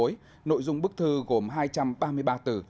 khối nội dung bức thư gồm hai trăm ba mươi ba từ